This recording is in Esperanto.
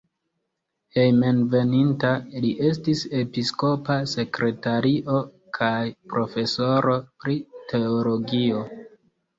Hejmenveninta li estis episkopa sekretario kaj profesoro pri teologio.